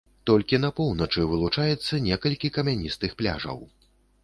Толькі на поўначы вылучаецца некалькі камяністых пляжаў.